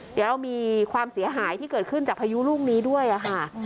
เดี๋ยวเรามีความเสียหายที่เกิดขึ้นจากพายุลูกนี้ด้วยค่ะ